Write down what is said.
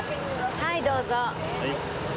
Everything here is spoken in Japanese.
はいどうぞ。